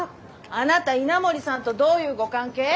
あなた稲森さんとどういうご関係？